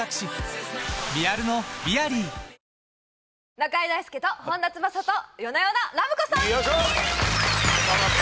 「中居大輔と本田翼と夜な夜なラブ子さん」！